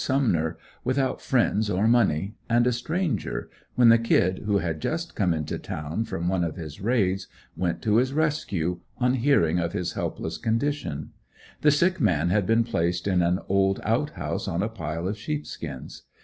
Sumner, without friends or money, and a stranger, when the "Kid," who had just come into town from one of his raids, went to his rescue, on hearing of his helpless condition; the sick man had been placed in an old out house on a pile of sheep skins.